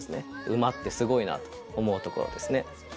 馬ってすごいなと思うところですね。